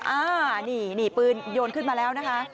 อ่านี่นี่ปืนโยนขึ้นมาแล้วนะคะ